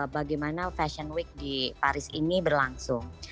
bagaimana fashion week di paris ini berlangsung